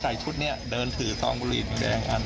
ชุดนี้เดินถือซองบุหรี่หมูแดงอัน